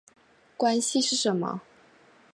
关系是什么？